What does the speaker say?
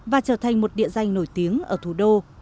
và trở thành một địa danh nổi tiếng ở thủ đô